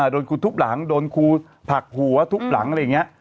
โดนครูทุบหลังโดนครูผลักหัวทุบหลังอะไรอย่างนี้